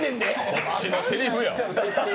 こっちのせりふや。